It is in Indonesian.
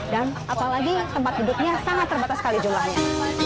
dan apalagi tempat duduknya sangat terbatas sekali jualannya